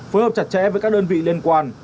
phối hợp chặt chẽ với các đơn vị liên quan